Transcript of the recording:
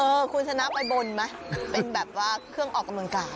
คุณชนะไปบนไหมเป็นแบบว่าเครื่องออกกำลังกาย